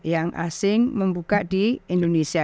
yang asing membuka di indonesia